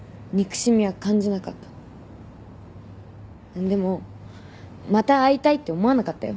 でもまた会いたいって思わなかったよ。